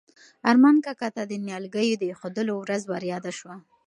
ارمان کاکا ته د نیالګیو د ایښودلو ورځ وریاده شوه.